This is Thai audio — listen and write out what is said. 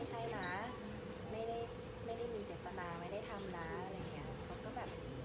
ตอนนี้รายการต่อ